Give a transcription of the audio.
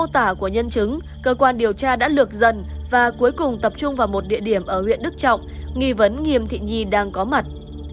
trong thời gian khả của nhân chứng cơ quan điều tra đã lược dần và cuối cùng tập trung vào một địa điểm ở huyện đức trọng nghi vấn nghiêm thị nhi đang có mặt